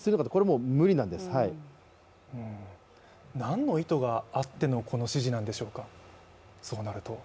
そうなると、何の意図があってのこの指示なんでしょうか。